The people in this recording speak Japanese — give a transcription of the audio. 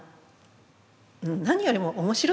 何よりも面白いですね。